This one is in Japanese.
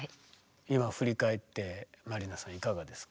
今振り返って麻里奈さんいかがですか？